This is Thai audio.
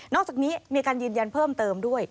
อกจากนี้มีการยืนยันเพิ่มเติมด้วย